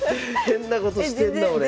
変なことしてんな俺。